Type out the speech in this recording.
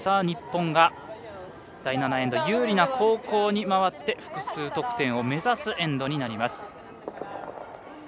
日本が第７エンド有利な後攻に回って複数得点を目指すエンドになります。